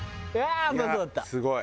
すごい。